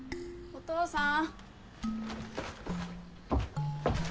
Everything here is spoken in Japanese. お父さん。